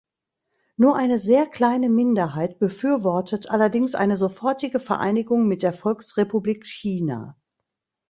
Nur eine sehr kleine Minderheit befürwortet allerdings eine sofortige Vereinigung mit der Volksrepublik China.